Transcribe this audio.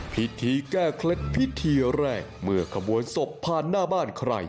พิธีแก้เคล็ดพิธีแรกเมื่อขบวนศพผ่านหน้าบ้านใคร